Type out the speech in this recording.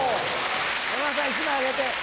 山田さん１枚あげて。